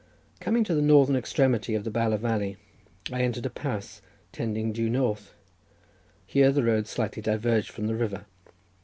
Coming to the northern extremity of the Bala valley, I entered a pass tending due north. Here the road slightly diverged from the river.